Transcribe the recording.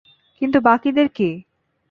কিন্তু বাকিদের কী?